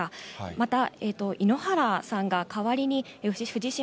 また、井ノ原さんが代わりに藤島